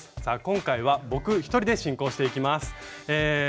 さあ今回は僕一人で進行していきます。